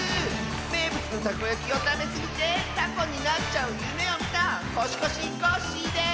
めいぶつのたこやきをたべすぎてたこになっちゃうゆめをみたコシコシコッシーです！